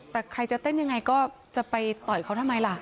แต่ใครจะเต้นยังไงก็จะไปต่อยเขาทำไมล่ะ